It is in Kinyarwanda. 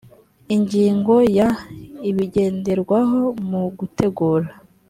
ingingo ya ibigenderwaho mu gutegura